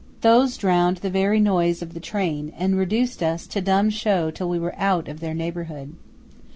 These drowned the very noise of the train, and reduced us to dumb show till we were out of their neighbourhood.